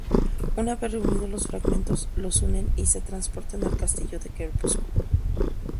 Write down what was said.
Una vez reunidos los fragmentos, los unen y se transportan al Castillo del Crepúsculo.